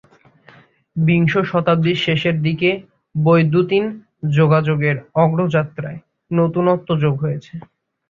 বিংশ শতাব্দীর শেষের দিকে বৈদ্যুতিন যোগাযোগের অগ্রযাত্রায় নতুনত্ব যোগ হয়েছে।